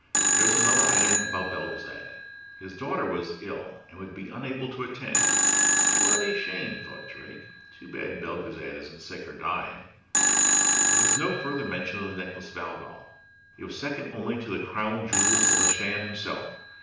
There was another item about Belgezad; his daughter was ill and would be unable to attend. Bloody shame, thought Drake. Too bad Belgezad isn't sick or dying. There was further mention of the Necklace of Algol; it was second only to the Crown Jewels of the Shan himself.